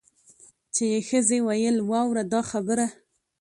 چي یې ښځي ویل واوره دا خبره